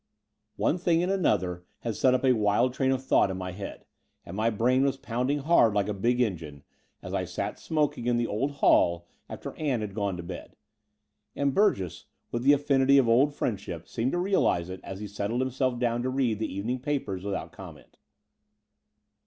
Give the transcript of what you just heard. One thing and another had set up a wild train of thought in my head, and my brain was pounding hard like a big engine, as I sat smoking in the old hall after Ann had gone to bed : and Burgess, with the affinity of old friendship, seemed to realize it as he settled himself down to read the evening papers without comment.